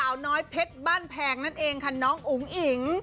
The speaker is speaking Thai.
สาวน้อยเพชรบ้านแพงนั้นเค้าน้องอุ่งหญิง